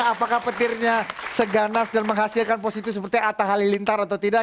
apakah petirnya seganas dan menghasilkan positif seperti atta halilintar atau tidak